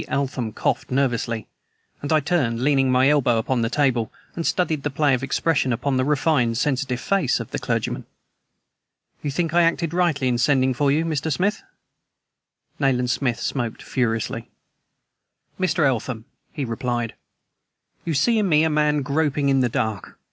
Eltham coughed nervously, and I turned, leaning my elbow upon the table, and studied the play of expression upon the refined, sensitive face of the clergyman. "You think I acted rightly in sending for you, Mr. Smith?" Nayland Smith smoked furiously. "Mr. Eltham," he replied, "you see in me a man groping in the dark.